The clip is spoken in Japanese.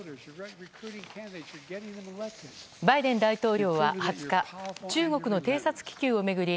バイデン大統領は２０日中国の偵察気球を巡り